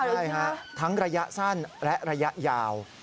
ใช่ฮะทั้งระยะสั้นและระยะยาว